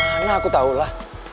mana aku tahulah